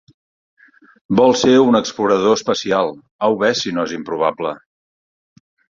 Vol ser un explorador espacial, au ves si no és improbable!